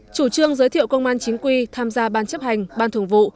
chủ trương giới thiệu công an chính quy tham gia ban chấp hành ban thường vụ